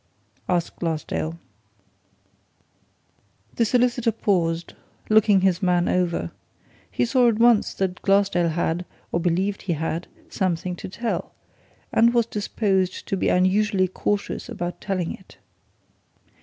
asked Glassdale. The solicitor paused, looking his man over. He saw at once that Glassdale had, or believed he had, something to tell and was disposed to be unusually cautious about telling it.